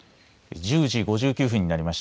１０時５９分になりました。